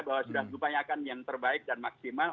bahwa sudah diupayakan yang terbaik dan maksimal